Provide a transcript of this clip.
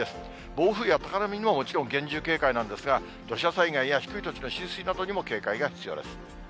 暴風や高波にももちろん、厳重警戒なんですが、土砂災害や低い土地の浸水などにも警戒が必要です。